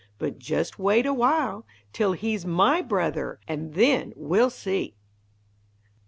But just wait a while Till he's my brother and then we'll see!